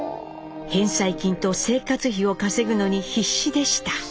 返済金と生活費を稼ぐのに必死でした。